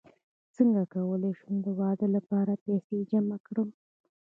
څنګه کولی شم د واده لپاره پیسې جمع کړم